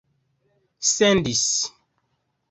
sendis